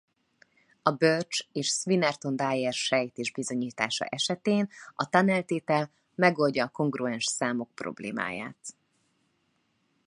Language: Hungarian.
A Birch és Swinnerton-Dyer-sejtés bizonyítása esetén a Tunnell-tétel megoldja a kongruens számok problémáját.